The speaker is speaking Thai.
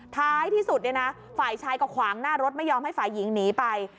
ท้ายที่สุดเนี่ยนะฝ่ายชายก็ขวางหน้ารถไม่ยอมให้ฝ่ายหญิงหนีไป